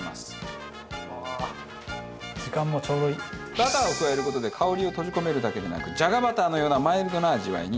バターを加える事で香りを閉じ込めるだけでなくじゃがバターのようなマイルドな味わいになります。